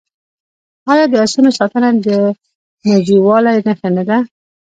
آیا د اسونو ساتنه د نجیبوالي نښه نه ده؟